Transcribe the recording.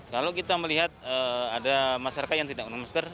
kalau kita melihat ada masyarakat yang tidak menggunakan masker